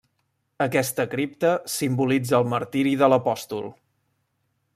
Aquesta cripta simbolitza el martiri de l'apòstol.